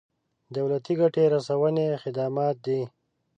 دولتي ګټې رسونې خدمات دي.